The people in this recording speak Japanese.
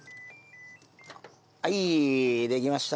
はいできました。